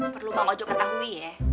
perlu bang ojo ketahui ya